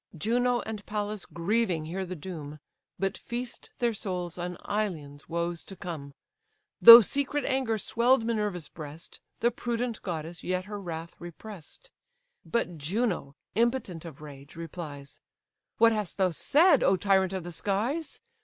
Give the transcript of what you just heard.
Juno and Pallas grieving hear the doom, But feast their souls on Ilion's woes to come. Though secret anger swell'd Minerva's breast, The prudent goddess yet her wrath repress'd; But Juno, impotent of rage, replies: "What hast thou said, O tyrant of the skies!